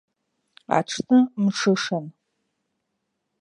Аҽны мҽышан.